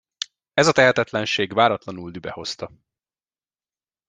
Ez a tehetetlenség váratlanul dühbe hozta.